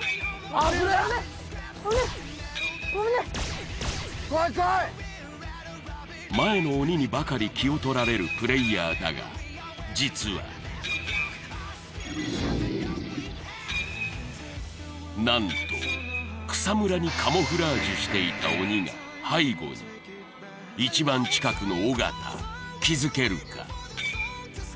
危ねえ危ねえ前の鬼にばかり気をとられるプレイヤーだが実は何と草むらにカモフラージュしていた鬼が背後に一番近くの尾形気づけるか？